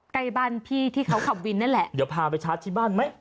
ใกล้บ้านพี่ที่เขาขับวินนั่นแหละ